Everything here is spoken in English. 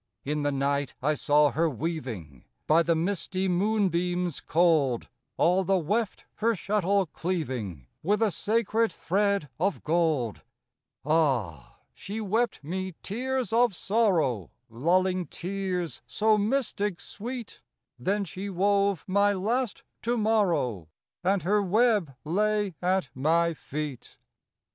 In the night I saw her weaving By the misty moonbeams cold, All the weft her shuttle cleaving With a sacred thread of gold. Ah! she wept me tears of sorrow, Lulling tears so mystic sweet; Then she wove my last to morrow, And her web lay at my feet.